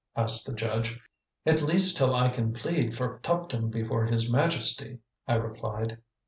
asked the judge. "At least till I can plead for Tuptim before his Majesty," I replied.